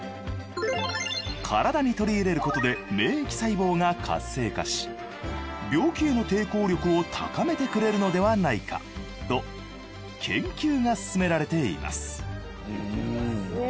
体に取り入れることで免疫細胞が活性化し病気への抵抗力を高めてくれるのではないかと研究が進められています